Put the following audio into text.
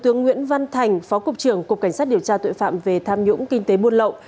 tướng nguyễn văn thành phó cục trưởng cục cảnh sát điều tra tội phạm về tham nhũng kinh tế buôn lậu